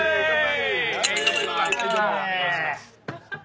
お願いします。